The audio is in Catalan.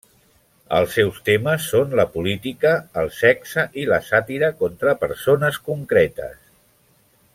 Els seus temes són la política, el sexe i la sàtira contra persones concretes.